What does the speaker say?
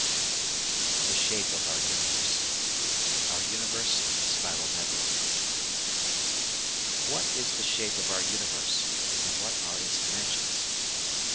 THE SHAPE OF OUR UNIVERSE § 4 Our Universe a Spiral Nebula What is the shape of our universe, and what are its dimensions?